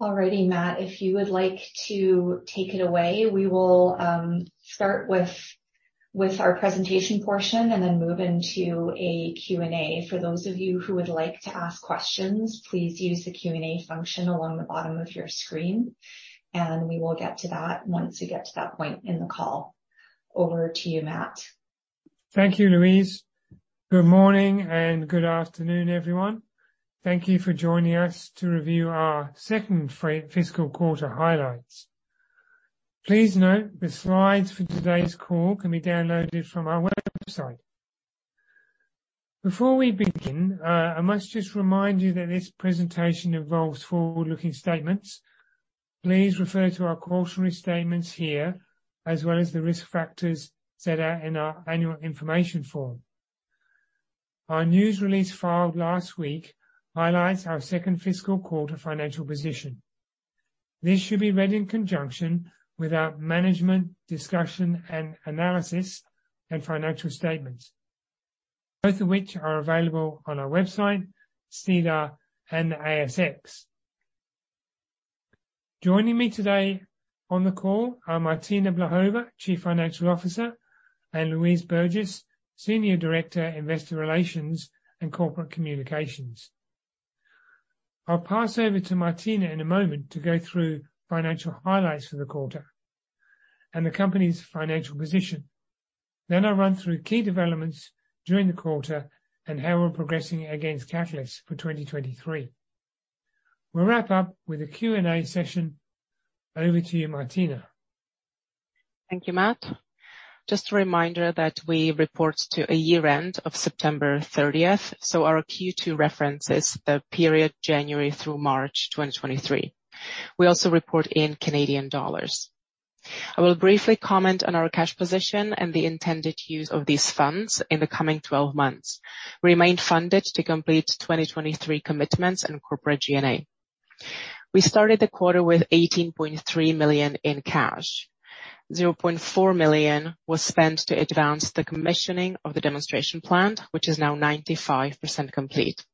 All righty, Matt, if you would like to take it away, we will start with our presentation portion and then move into a Q&A. For those of you who would like to ask questions, please use the Q&A function along the bottom of your screen. We will get to that once we get to that point in the call. Over to you, Matt. Thank you, Louise. Good morning and good afternoon, everyone. Thank you for joining us to review our second fiscal quarter highlights. Please note, the slides for today's call can be downloaded from our website. Before we begin, I must just remind you that this presentation involves forward-looking statements. Please refer to our cautionary statements here, as well as the risk factors set out in our annual information form. Our news release filed last week highlights our second fiscal quarter financial position. This should be read in conjunction with our management discussion and analysis and financial statements, both of which are available on our website, SEDAR, and the ASX. Joining me today on the call are Martina Blahova, Chief Financial Officer, and Louise Burgess, Senior Director, Investor Relations and Corporate Communications. I'll pass over to Martina in a moment to go through financial highlights for the quarter and the company's financial position. I'll run through key developments during the quarter and how we're progressing against catalysts for 2023. We'll wrap up with a Q&A session. Over to you, Martina. Thank you, Matt. Just a reminder that we report to a year-end of September 30th, so our Q2 references the period January through March 2023. We also report in Canadian dollars. I will briefly comment on our cash position and the intended use of these funds in the coming 12 months. We remain funded to complete 2023 commitments and corporate G&A. We started the quarter with 18.3 million in cash. 0.4 million was spent to advance the commissioning of the demonstration plant, which is now 95% complete.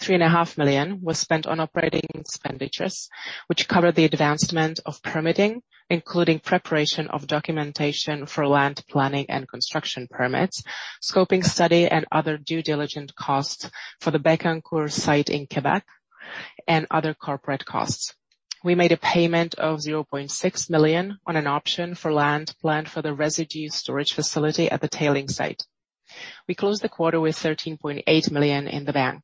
CAD 3.5 million was spent on operating expenditures, which covered the advancement of permitting, including preparation of documentation for land planning and construction permits, scoping study and other due diligent costs for the Bécancour site in Quebec and other corporate costs. We made a payment of 0.6 million on an option for land planned for the residue storage facility at the tailing site. We closed the quarter with 13.8 million in the bank.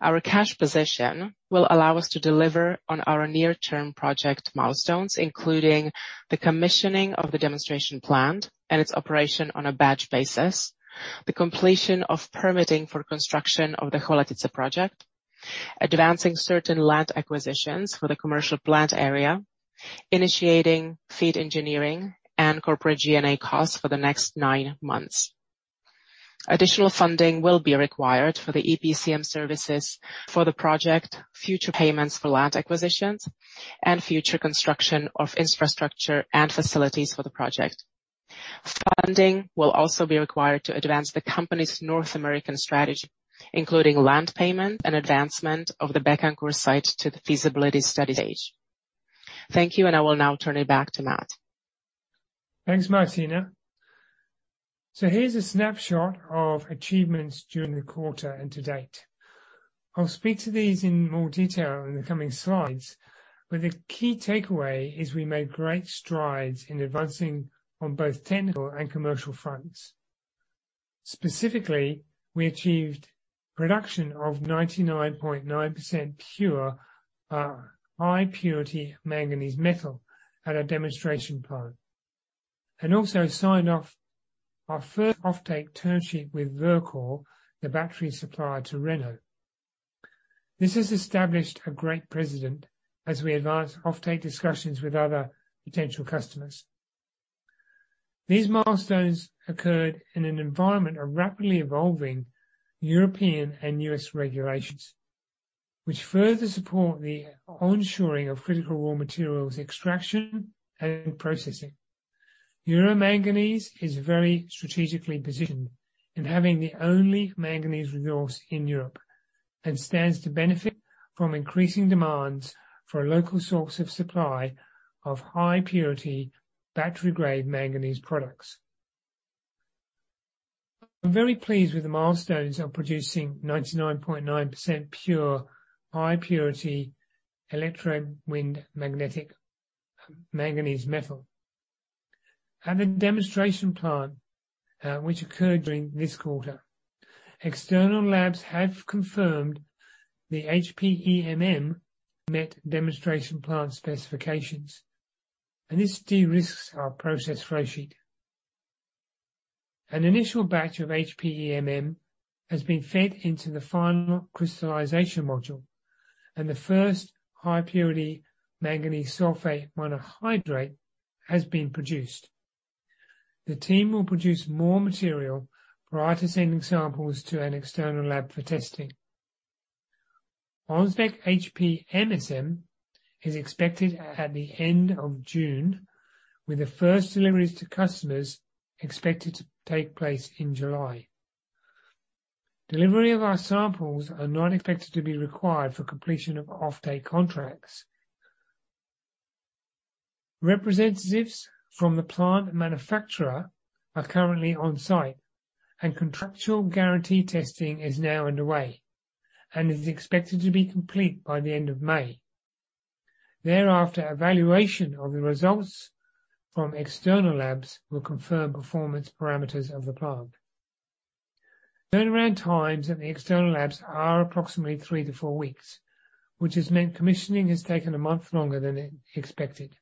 Our cash position will allow us to deliver on our near-term project milestones, including the commissioning of the demonstration plant and its operation on a batch basis, the completion of permitting for construction of the Chvaletice Project, advancing certain land acquisitions for the commercial plant area, initiating FEED engineering and corporate G&A costs for the next nine months. Additional funding will be required for the EPCM services for the project, future payments for land acquisitions, and future construction of infrastructure and facilities for the project. Funding will also be required to advance the company's North American strategy, including land payment and advancement of the Bécancour site to the feasibility study stage. Thank you, and I will now turn it back to Matt. Thanks, Martina. Here's a snapshot of achievements during the quarter and to date. I'll speak to these in more detail in the coming slides, but the key takeaway is we made great strides in advancing on both technical and commercial fronts. Specifically, we achieved production of 99.9% pure high-purity manganese metal at our demonstration plant, and also signed off our first offtake term sheet with Verkor, the battery supplier to Renault Group. This has established a great precedent as we advance offtake discussions with other potential customers. These milestones occurred in an environment of rapidly evolving European and U.S. regulations, which further support the onshoring of critical raw materials extraction and processing. Euro Manganese is very strategically positioned in having the only manganese resource in Europe and stands to benefit from increasing demands for a local source of supply of high-purity battery-grade manganese products. I'm very pleased with the milestones of producing 99.9% pure high purity electrolytic manganese metal. At the demonstration plant, which occurred during this quarter, external labs have confirmed the HPEMM net demonstration plant specifications, and this de-risks our process flow sheet. An initial batch of HPEMM has been fed into the final crystallization module, and the first high-purity manganese sulphate Monohydrate has been produced. The team will produce more material prior to sending samples to an external lab for testing. Onspec HPMSM is expected at the end of June, with the first deliveries to customers expected to take place in July. Delivery of our samples are not expected to be required for completion of offtake contracts. Representatives from the plant manufacturer are currently on site and contractual guarantee testing is now underway and is expected to be complete by the end of May. Thereafter, evaluation of the results from external labs will confirm performance parameters of the plant. Turnaround times at the external labs are approximately three to four weeks, which has meant commissioning has taken a month longer than expected.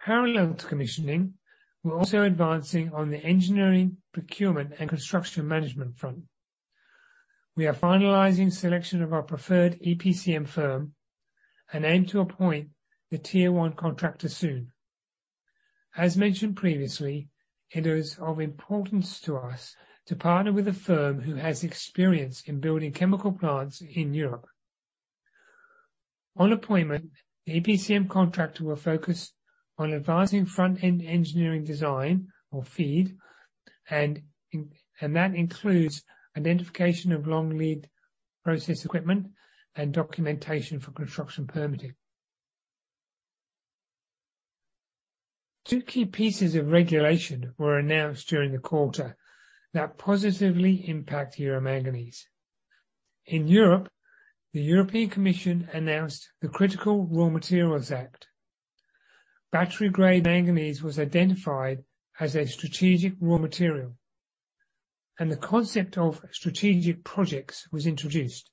Parallel to commissioning, we're also advancing on the engineering, procurement, and construction management front. We are finalizing selection of our preferred EPCM firm and aim to appoint the Tier 1 contractor soon. As mentioned previously, it is of importance to us to partner with a firm who has experience in building chemical plants in Europe. On appointment, the EPCM contractor will focus on advancing front-end engineering design or FEED, and that includes identification of long lead process equipment and documentation for construction permitting. Two key pieces of regulation were announced during the quarter that positively impact Euro Manganese. In Europe, the European Commission announced the Critical Raw Materials Act. Battery-grade manganese was identified as a strategic raw material, and the concept of strategic projects was introduced.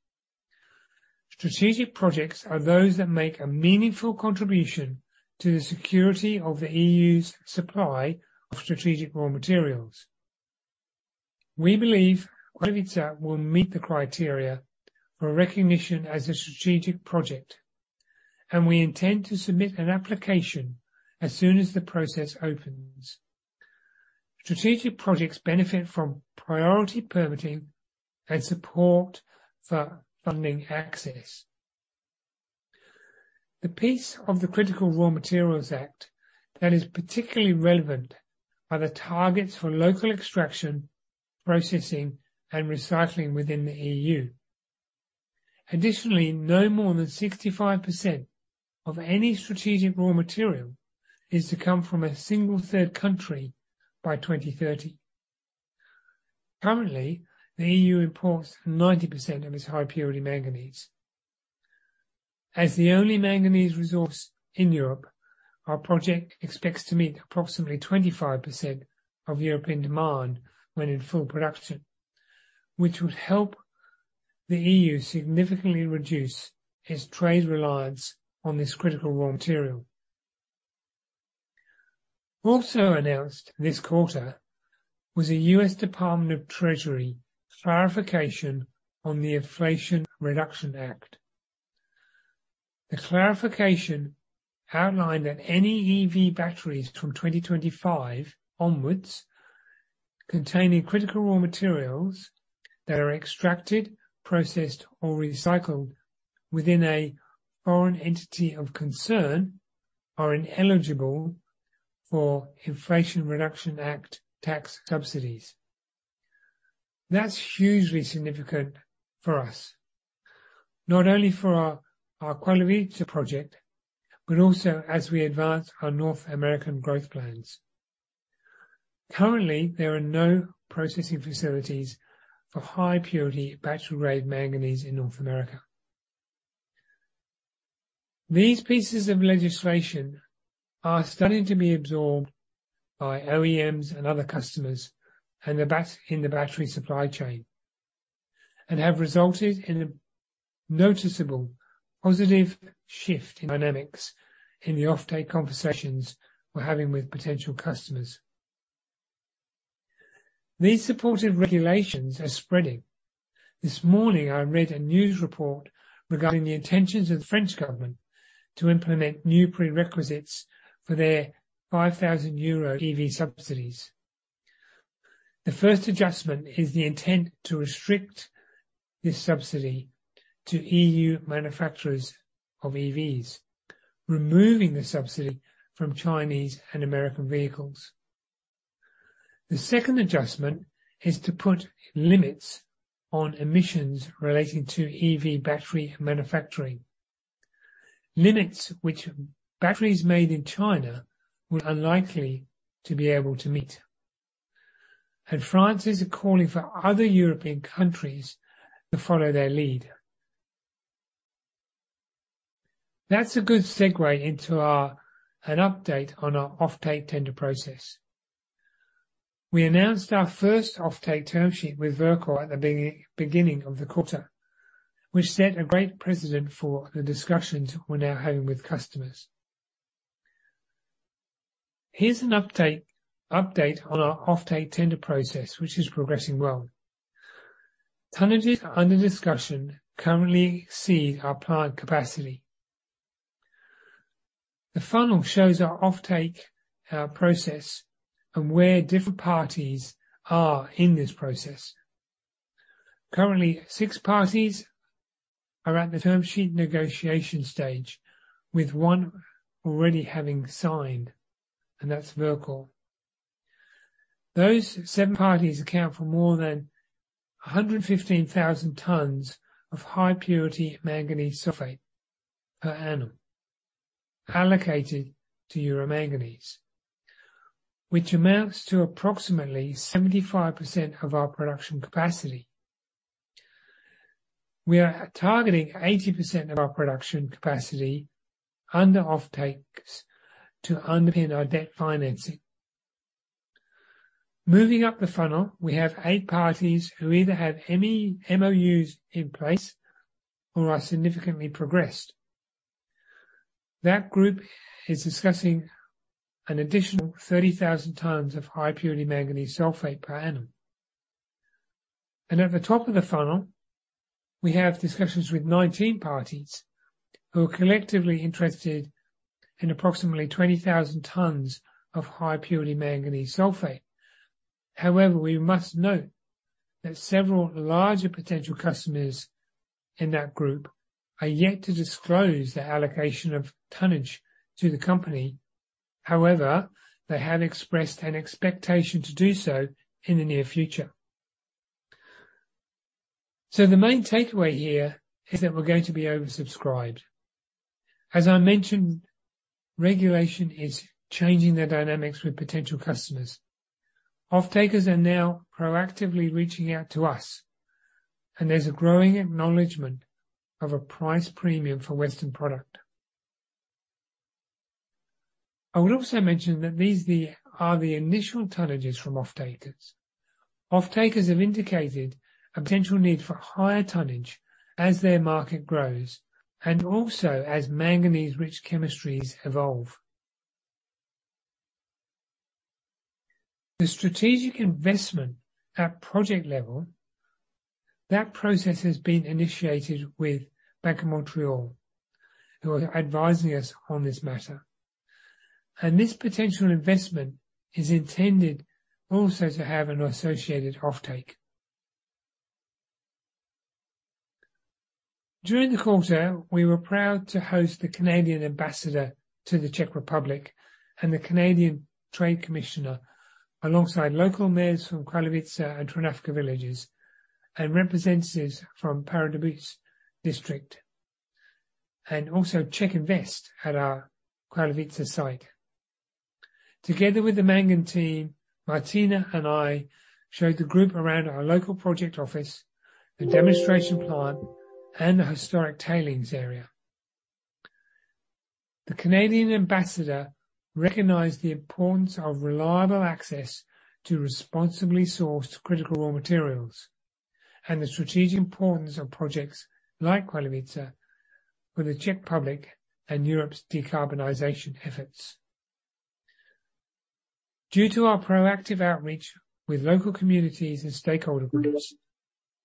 Strategic projects are those that make a meaningful contribution to the security of the EU's supply of strategic raw materials. We believe Chvaletice will meet the criteria for recognition as a strategic project, and we intend to submit an application as soon as the process opens. Strategic projects benefit from priority permitting and support for funding access. The piece of the Critical Raw Materials Act that is particularly relevant are the targets for local extraction, processing, and recycling within the EU. Additionally, no more than 65% of any strategic raw material is to come from a single third country by 2030. Currently, the EU imports 90% of its high-purity manganese. As the only manganese resource in Europe, our project expects to meet approximately 25% of European demand when in full production, which would help the EU significantly reduce its trade reliance on this critical raw material. Also announced this quarter was a U.S. Department of the Treasury clarification on the Inflation Reduction Act. The clarification outlined that any EV batteries from 2025 onwards containing critical raw materials that are extracted, processed, or recycled within a foreign entity of concern are ineligible for Inflation Reduction Act tax subsidies. That's hugely significant for us, not only for our Chvaletice project, but also as we advance our North American growth plans. Currently, there are no processing facilities for high-purity battery-grade manganese in North America. These pieces of legislation are starting to be absorbed by OEMs and other customers in the battery supply chain and have resulted in a noticeable positive shift in dynamics in the offtake conversations we're having with potential customers. These supportive regulations are spreading. This morning, I read a news report regarding the intentions of the French government to implement new prerequisites for their 5,000 euro EV subsidies. The first adjustment is the intent to restrict this subsidy to EU manufacturers of EVs, removing the subsidy from Chinese and American vehicles. The second adjustment is to put limits on emissions relating to EV battery manufacturing. Limits which batteries made in China would unlikely to be able to meet. France is calling for other European countries to follow their lead. That's a good segue into an update on our offtake tender process. We announced our first offtake term sheet with Verkor at the beginning of the quarter, which set a great precedent for the discussions we're now having with customers. Here's an update on our offtake tender process, which is progressing well. Tonnages under discussion currently exceed our plant capacity. The funnel shows our offtake process and where different parties are in this process. Currently, six parties are at the term sheet negotiation stage, with one already having signed, and that's Verkor. Those seven parties account for more than 115,000 tons of high-purity manganese sulphate per annum allocated to Euro Manganese, which amounts to approximately 75% of our production capacity. We are targeting 80% of our production capacity under offtakes to underpin our debt financing. Moving up the funnel, we have eight parties who either have MOUs in place or are significantly progressed. That group is discussing an additional 30,000 tons of High-Purity Manganese Sulfate per annum. At the top of the funnel, we have discussions with 19 parties who are collectively interested in approximately 20,000 tons of High-Purity Manganese Sulfate. We must note that several larger potential customers in that group are yet to disclose their allocation of tonnage to the company. They have expressed an expectation to do so in the near future. The main takeaway here is that we're going to be oversubscribed. As I mentioned, regulation is changing the dynamics with potential customers. Off-takers are now proactively reaching out to us, and there's a growing acknowledgment of a price premium for Western product. I will also mention that these are the initial tonnages from off-takers. Off-takers have indicated a potential need for higher tonnage as their market grows, and also as manganese-rich chemistries evolve. The strategic investment at project level, that process has been initiated with Bank of Montreal, who are advising us on this matter. This potential investment is intended also to have an associated offtake. During the quarter, we were proud to host the Canadian Ambassador to the Czech Republic and the Canadian Trade Commissioner, alongside local mayors from Kralovice and Trnávka villages, and representatives from Pardubice District, and also CzechInvest at our Kralovice site. Together with the Mangan team, Martina and I showed the group around our local project office, the demonstration plant, and the historic tailings area. The Canadian Ambassador recognized the importance of reliable access to responsibly sourced critical raw materials and the strategic importance of projects like Kralovice for the Czech public and Europe's decarbonization efforts. Due to our proactive outreach with local communities and stakeholder groups,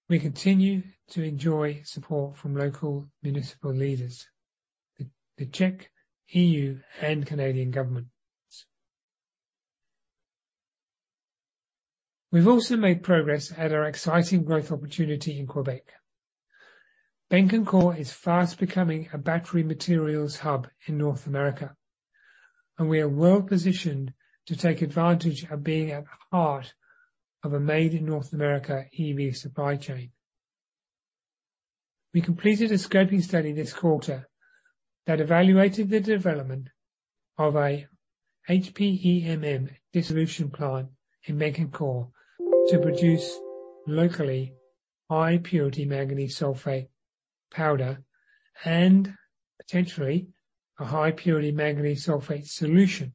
we continue to enjoy support from local municipal leaders, the Czech, EU, and Canadian governments. We've also made progress at our exciting growth opportunity in Quebec. Bécancour is fast becoming a battery materials hub in North America, and we are well-positioned to take advantage of being at the heart of a Made in North America EV supply chain. We completed a scoping study this quarter that evaluated the development of a HPEMM dissolution plant in Bécancour to produce locally high purity manganese sulphate powder and potentially a high purity manganese sulphate solution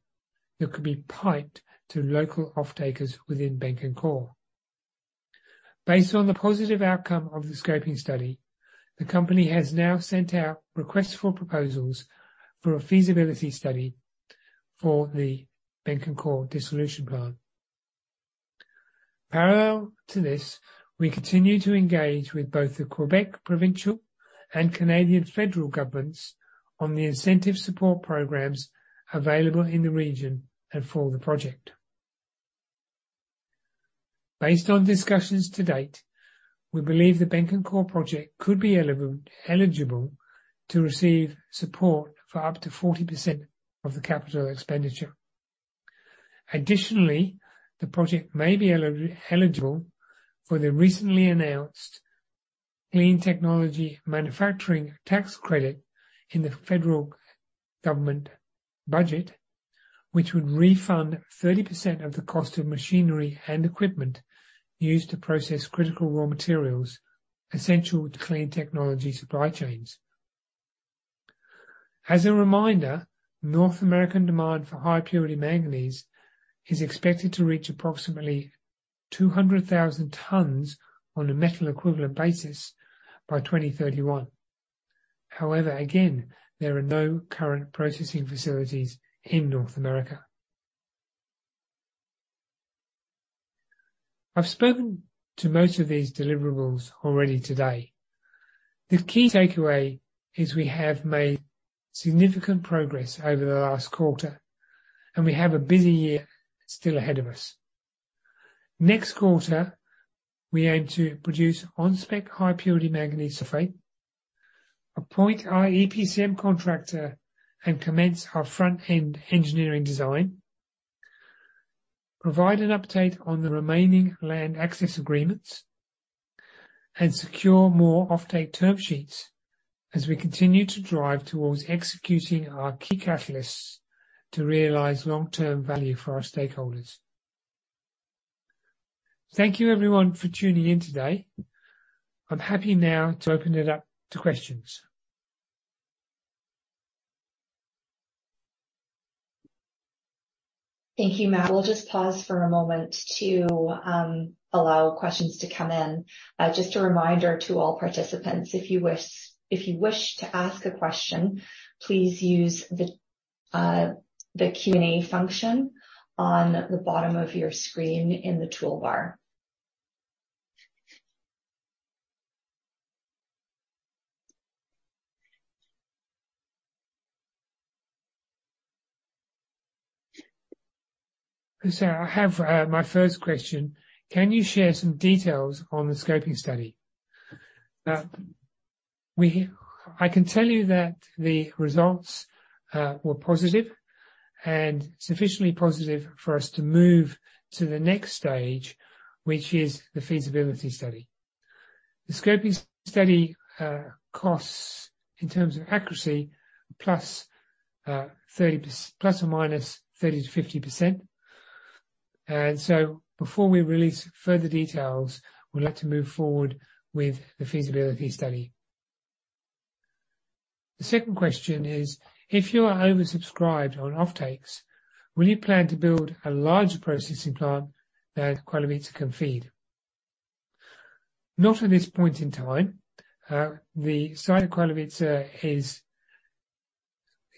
that could be piped to local off-takers within Bécancour. Based on the positive outcome of the scoping study, the company has now sent out requests for proposals for a feasibility study for the Bécancour dissolution plant. Parallel to this, we continue to engage with both the Quebec provincial and Canadian federal governments on the incentive support programs available in the region and for the project. Based on discussions to date, we believe the Bécancour project could be eligible to receive support for up to 40% of the capital expenditure. Additionally, the project may be eligible for the recently announced Clean Technology Manufacturing investment tax credit in the federal government budget, which would refund 30% of the cost of machinery and equipment used to process critical raw materials essential to clean technology supply chains. As a reminder, North American demand for High-Purity Manganese is expected to reach approximately 200,000 tons on a metal equivalent basis by 2031. However, again, there are no current processing facilities in North America. I've spoken to most of these deliverables already today. The key takeaway is we have made significant progress over the last quarter, and we have a busy year still ahead of us. Next quarter, we aim to produce on-spec high-purity manganese sulphate, appoint our EPCM contractor, and commence our front-end engineering design, provide an update on the remaining land access agreements and secure more offtake term sheets as we continue to drive towards executing our key catalysts to realize long-term value for our stakeholders. Thank you everyone for tuning in today. I'm happy now to open it up to questions. Thank you, Matt. We'll just pause for a moment to allow questions to come in. Just a reminder to all participants, if you wish to ask a question, please use the Q&A function on the bottom of your screen in the toolbar. I have, my first question. Can you share some details on the scoping study? I can tell you that the results were positive and sufficiently positive for us to move to the next stage, which is the feasibility study. The scoping study costs in terms of accuracy, ±30%-50%. Before we release further details, we'd like to move forward with the feasibility study. The second question is, if you are oversubscribed on offtakes, will you plan to build a larger processing plant that Chvaletice can feed? Not at this point in time. The site of Chvaletice is,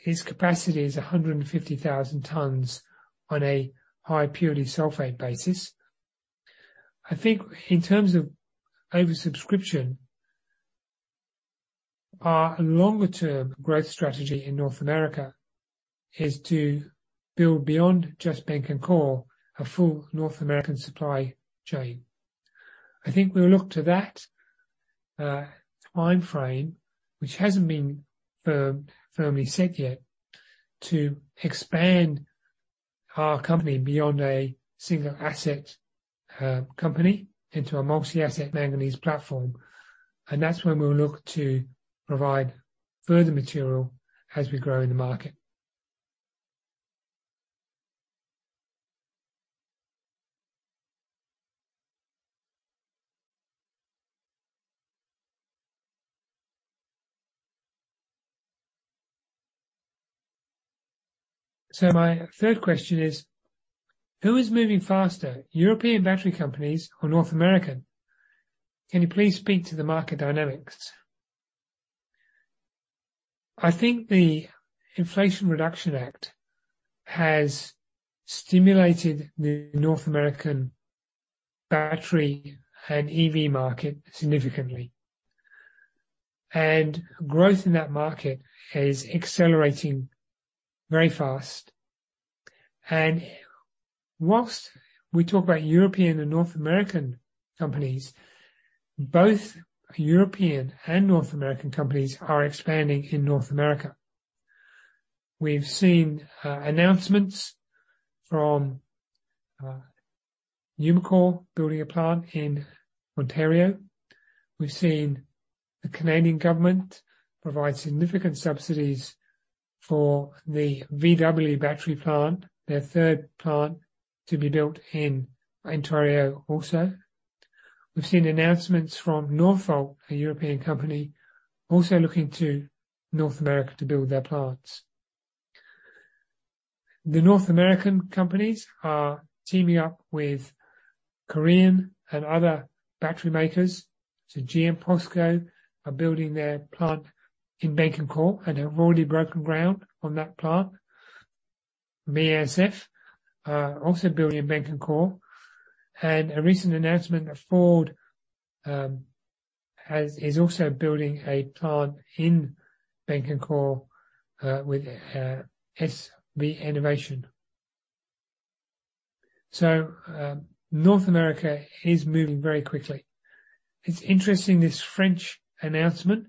its capacity is 150,000 tons on a high-purity sulfate basis. I think in terms of oversubscription, our longer-term growth strategy in North America is to build beyond just Bécancour, a full North American supply chain. I think we'll look to that timeframe, which hasn't been firmly set yet, to expand our company beyond a single asset company into a multi-asset manganese platform. That's when we'll look to provide further material as we grow in the market. My third question is, who is moving faster, European battery companies or North American? Can you please speak to the market dynamics? I think the Inflation Reduction Act has stimulated the North American battery and EV market significantly, and growth in that market is accelerating very fast. Whilst we talk about European and North American companies, both European and North American companies are expanding in North America. We've seen announcements from Umicore building a plant in Ontario. We've seen the Canadian government provide significant subsidies for the VW battery plant, their third plant to be built in Ontario also. We've seen announcements from Northvolt, a European company, also looking to North America to build their plants. The North American companies are teaming up with Korean and other battery makers. GM, POSCO are building their plant in Bécancour, and they've already broken ground on that plant. BASF are also building in Bécancour, and a recent announcement that Ford is also building a plant in Bécancour with SK On. North America is moving very quickly. It's interesting, this French announcement.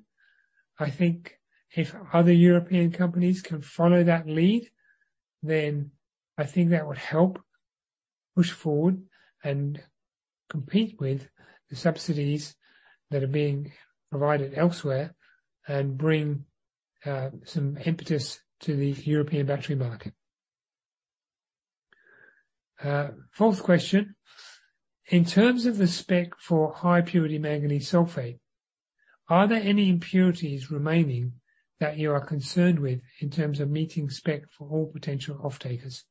I think if other European companies can follow that lead, then I think that would help push forward and compete with the subsidies that are being provided elsewhere and bring some impetus to the European battery market. fourth question: In terms of the spec for high-purity manganese sulphate, are there any impurities remaining that you are concerned with in terms of meeting spec for all potential off-takers?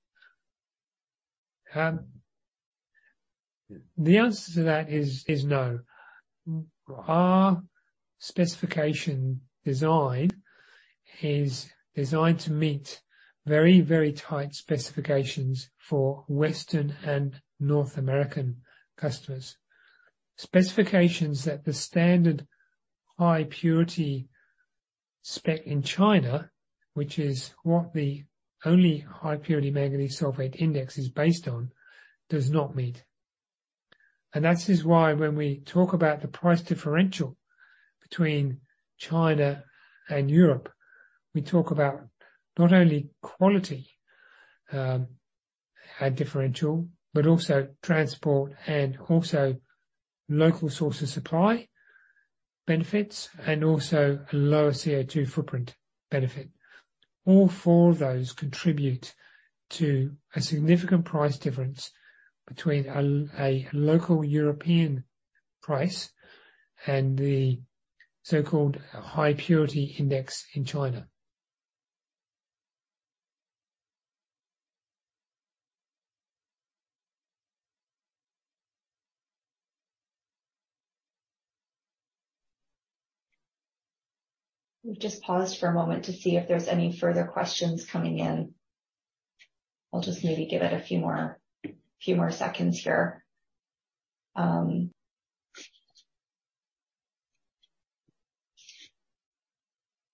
The answer to that is no. Our specification design is designed to meet very tight specifications for Western and North American customers. Specifications that the standard High-Purity Spec in China, which is what the only high-purity manganese sulphate index is based on, does not meet. That is why when we talk about the price differential between China and Europe, we talk about not only quality, a differential, but also transport and also local source of supply benefits and also a lower CO₂ footprint benefit. All four of those contribute to a significant price difference between a local European price and the so-called high purity index in China. We've just paused for a moment to see if there's any further questions coming in. I'll just maybe give it a few more seconds here.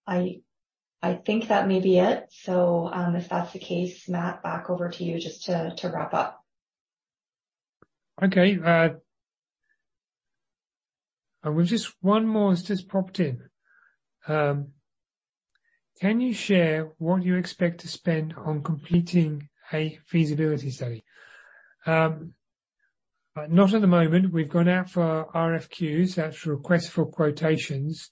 I think that may be it. If that's the case, Matt, back over to you just to wrap up. Okay. We've just one more has just popped in. Can you share what you expect to spend on completing a feasibility study? Not at the moment. We've gone out for RFQs, that's request for quotations.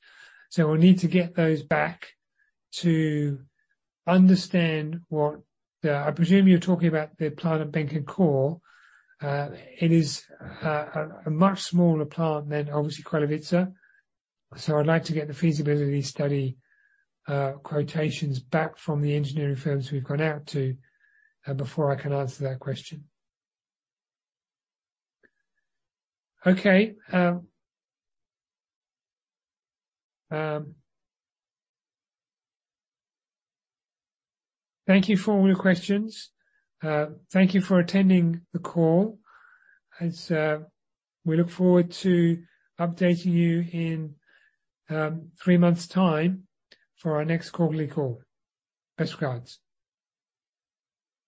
We'll need to get those back to understand what the—I presume you're talking about the plant at Bécancour. It is a much smaller plant than obviously Kralovice. I'd like to get the feasibility study quotations back from the engineering firms we've gone out to before I can answer that question. Okay. Thank you for all your questions. Thank you for attending the call, as we look forward to updating you in three months' time for our next quarterly call. Best regards.